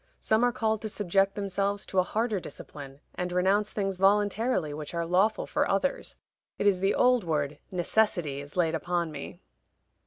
Some are called to subject themselves to a harder discipline, and renounce things voluntarily which are lawful for others. It is the old word 'necessity' is laid upon me.